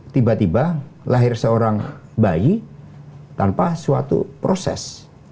tiba tiba lahir seorang bayi tanpa suatu proses